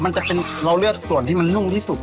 มันจะเป็นเราเลือกส่วนที่มันนุ่มที่สุด